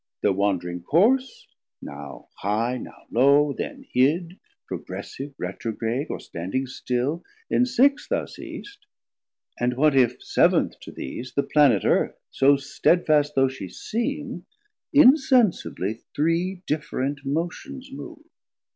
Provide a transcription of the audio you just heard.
Thir wandring course now high, now low, then hid, Progressive, retrograde, or standing still, In six thou seest, and what if sev'nth to these The Planet Earth, so stedfast though she seem, Insensibly three different Motions move?